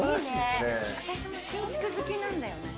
私も新築好きなんだよね。